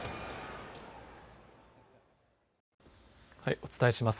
お伝えします。